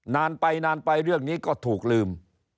นานไปเรื่องนี้ก็ถูกลืม